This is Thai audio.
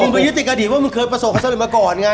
ไปยึดติดอดีตว่ามันเคยประสบความสำเร็จมาก่อนไง